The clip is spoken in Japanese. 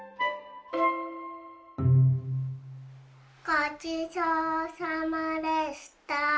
ごちそうさまでした。